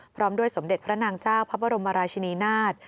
พร้อมด้วยสมเด็จพระนางเจ้าพระบรมราชินีนาฏ